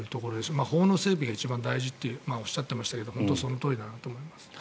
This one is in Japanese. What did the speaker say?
法の整備が一番大事とおっしゃってましたが本当にそのとおりだと思います。